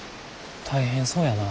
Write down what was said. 大変そうやな。